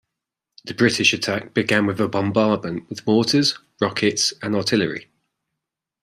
The British attack began with a bombardment with mortars, rockets, and artillery.